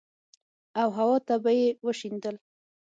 او هوا ته به يې وشيندل.